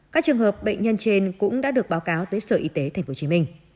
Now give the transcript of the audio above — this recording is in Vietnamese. các trường hợp bệnh nhân trên cũng đã được báo cáo tới sở y tế tp hcm